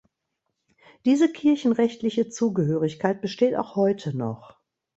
Diese kirchenrechtliche Zugehörigkeit besteht auch heute noch.